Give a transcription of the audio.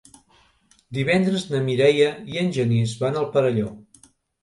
Divendres na Mireia i en Genís van al Perelló.